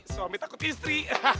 suami takut istri